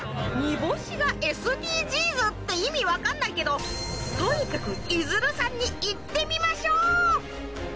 煮干しがＳＤＧｓって意味わかんないけどとにかくいづるさんに行ってみましょう！